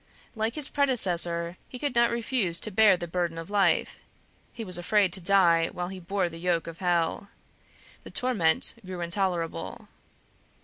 Like his predecessor, he could not refuse to bear the burden of life; he was afraid to die while he bore the yoke of hell. The torment grew intolerable.